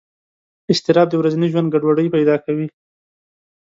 اضطراب د ورځني ژوند ګډوډۍ پیدا کوي.